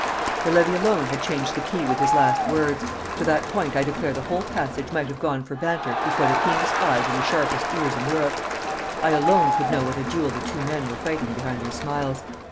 For Levy alone had changed the key with his last words; to that point I declare the whole passage might have gone for banter before the keenest eyes and the sharpest ears in Europe. I alone could know what a duel the two men were fighting behind their smiles.